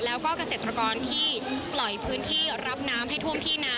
แล้วก็เกษตรกรที่ปล่อยพื้นที่รับน้ำให้ท่วมที่นา